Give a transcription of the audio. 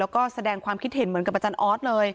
แล้วก็แสดงความคิดเห็นเหมือนกับอาจารย์ออสเลย